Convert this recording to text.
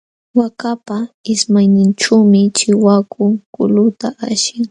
Waakapa ismayninćhuumi chiwaku kuluta ashin.